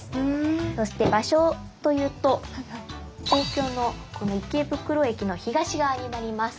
そして場所というと東京の池袋駅の東側になります。